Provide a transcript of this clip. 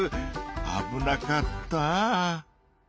あぶなかった。